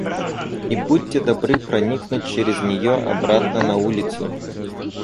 И будьте добры проникнуть через нее обратно на улицу.